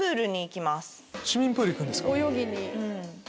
泳ぎに？